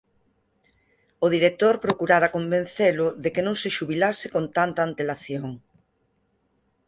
O director procurara convencelo de que non se xubilase con tanta antelación;